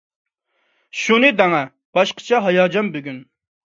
شۇنى دەڭە، باشقىچە ھاياجان بۈگۈن!